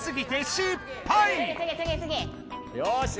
よし！